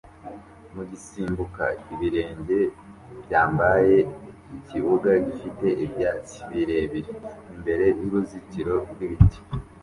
mugusimbuka ibirenge byambaye ikibuga gifite ibyatsi birebire imbere yuruzitiro rwibiti